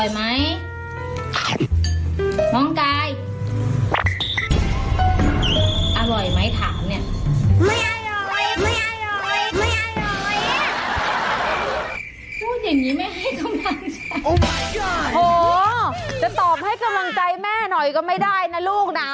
โหจะตอบให้กวงใจแม่หน่อยก็ไม่ได้นะลูกนะ